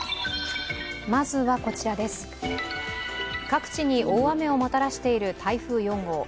各地に大雨をもたらしている台風４号。